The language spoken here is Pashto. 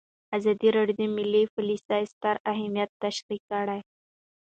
ازادي راډیو د مالي پالیسي ستر اهميت تشریح کړی.